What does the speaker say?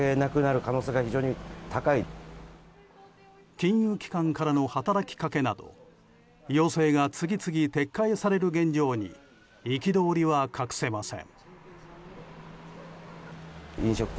金融機関からの働きかけなど要請が次々撤回される現状に憤りは隠せません。